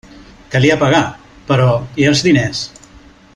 Calia pagar; però... i els diners?